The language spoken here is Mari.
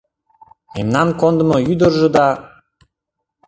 Мемнан кондымо ӱдыржӧ да